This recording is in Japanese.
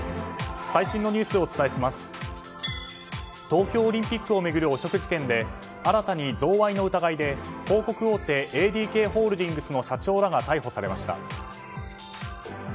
東京オリンピックを巡る汚職事件で新たに贈賄の疑いで広告大手ＡＤＫホールディングスの社長らが逮捕されました。